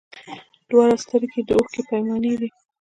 دواړي سترګي یې د اوښکو پیمانې دي